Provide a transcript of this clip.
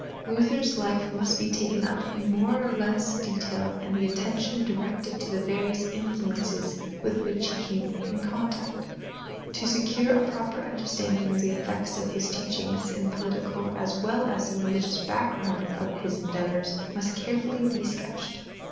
Luther's life must be taken up in more or less detail and the attention directed to the various influences with which he came in contact. To secure a proper understanding of the effects of his teachings, the political as well as the religious background of his endeavors must be carefully sketched.